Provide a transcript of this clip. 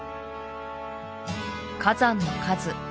火山の数